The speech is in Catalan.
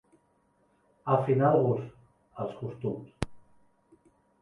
Afinar el gust, els costums.